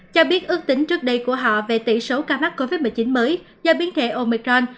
cho biết ước tính trước đây của họ về tỷ số ca mắc covid một mươi chín mới do biến thể omicron